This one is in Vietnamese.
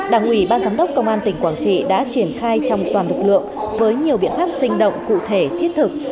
đảng ủy ban giám đốc công an tỉnh quảng trị đã triển khai trong toàn lực lượng với nhiều biện pháp sinh động cụ thể thiết thực